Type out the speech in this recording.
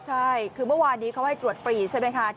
ใช่คือเมื่อวานนี้เขาให้ตรวจฟรีใช่ไหมคะ